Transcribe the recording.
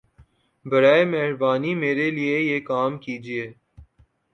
براہَ مہربانی میرے لیے یہ کام کیجیے